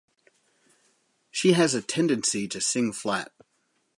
She has a tendency to sing flat.